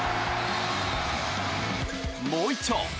もういっちょ！